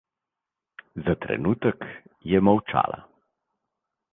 Za trenutek je molčala.